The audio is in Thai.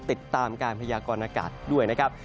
ติดตามการพยากรณากาศด้วยนะครับ